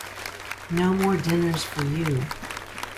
No more dinners for you.